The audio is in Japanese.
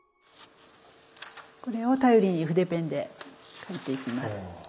これを頼りに筆ペンで描いていきます。